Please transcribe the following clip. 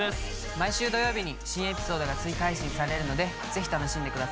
毎週土曜日に新エピソードが追加配信されるのでぜひ楽しんでくださいね。